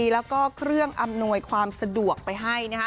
แล้วก็เครื่องอำนวยความสะดวกไปให้